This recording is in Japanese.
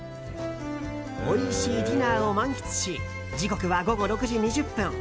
おいしいディナーを満喫し時刻は午後６時２０分。